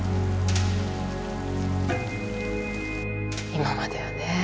今まではね